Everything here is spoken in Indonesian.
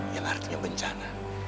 yang artinya bencana